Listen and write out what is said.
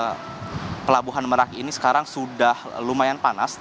dan untuk cuacanya sendiri saudara di pelabuhan merak ini sekarang sudah lumayan panjang